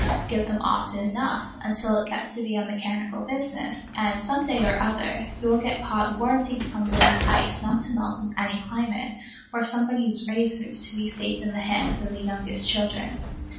Give them often enough, until it gets to be a mechanical business, and, some day or other, you will get caught warranting somebody's ice not to melt in any climate, or somebody's razors to be safe in the hands of the youngest children.